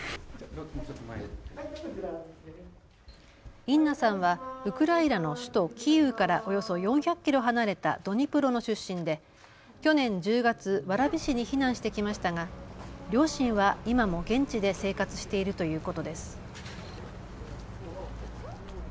インナさんはウクライナの首都キーウからおよそ４００キロ離れたドニプロの出身で去年１０月、蕨市に避難してきましたが両親は今も現地で生活しているということです。